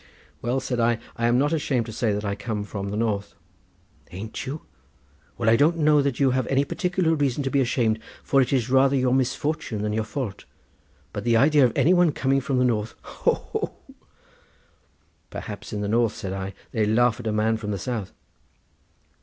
"Well," said I; "I am not ashamed to say that I come from the north." "Ain't you? Well, I don't know that you have any particular reason to be ashamed, for it is rather your misfortune than your fault; but the idea of any one coming from the north—ho, ho!" "Perhaps in the north," said I, "they laugh at a man from the south."